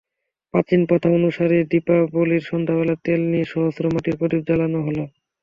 প্রাচীন প্রথা অনুসারে দীপাবলির সন্ধ্যায় তেল দিয়ে সহস্র মাটির প্রদীপ জ্বালানো হয়।